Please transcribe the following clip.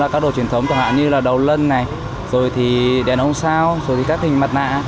các đồ truyền thống như là đầu lân đèn ông sao các hình mặt nạ